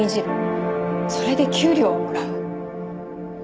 それで給料をもらう。